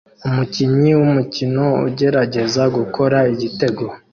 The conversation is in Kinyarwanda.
Umukinnyi wumukino ugerageza gukora igitego